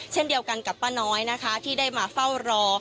เช่นเดียวกันกับป้าน้อยนะคะที่ได้มาเฝ้ารอ